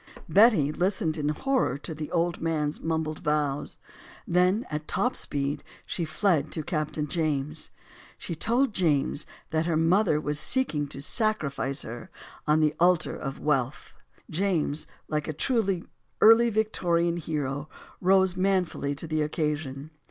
Betty listened in horror to the old man's mumbled vows. Then, at top speed, she fled to Captain James. She told James that her mother was seeking to sacrifice her on the altar of wealth. James, like a true early Victorian hero, rose manfully to the occasion.